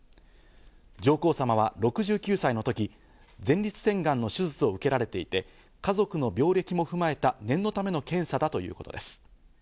上皇さまは６９歳の時、前立腺がんの手術を受けられていて、家族の病歴も踏まえた念のための検査だということです。